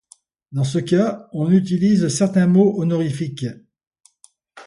Dans ce cas, on utilise certains mots honorifiques.